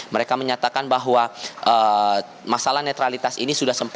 mereka menyatakan bahwa masalah netralitas ini sudah sempat